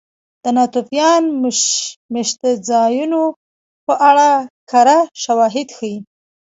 د ناتوفیان مېشتځایونو په اړه کره شواهد ښيي.